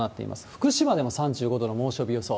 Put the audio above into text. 福島でも３５度の猛暑日予想。